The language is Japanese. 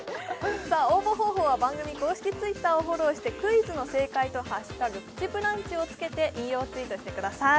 応募方法は番組公式Ｔｗｉｔｔｅｒをフォローしてクイズの正解と「＃プチブランチ」をつけて引用ツイートしてください